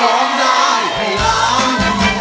ร้องได้ให้ล้าน